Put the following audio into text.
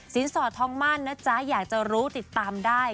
สอดทองมั่นนะจ๊ะอยากจะรู้ติดตามได้